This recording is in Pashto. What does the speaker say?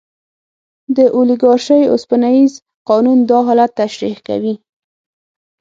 د اولیګارشۍ اوسپنیز قانون دا حالت تشریح کوي.